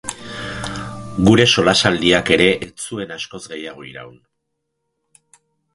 Gure solasaldiak ere ez zuen askoz gehiago iraun.